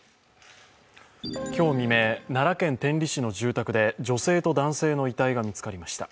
今日未明、奈良県天理市の住宅で女性と男性の遺体が見つかりました。